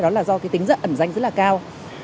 đó là do cái tính rất ẩn danh rất là cao